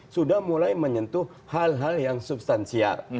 sudah mulai menyentuh hal hal yang substansial